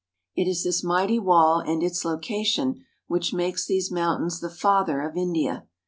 It is this mighty wall and its location which make these mountains the Father of India.